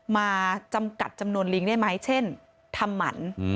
มาจำกัดจำนวนลิงได้ไหมเช่นทำหมัน